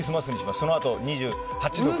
そのあと２８とか。